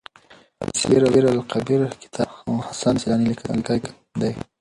السير لکبير کتاب حسن سيلاني ليکی دی.